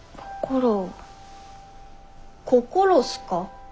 心っすか。